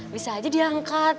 bisa aja diangkat